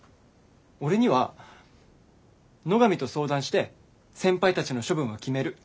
俺には「野上と相談して先輩たちの処分は決める。